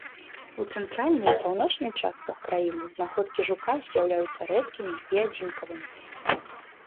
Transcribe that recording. У цэнтральнай і паўночнай частках краіны знаходкі жука з'яўляюцца рэдкімі і адзінкавымі.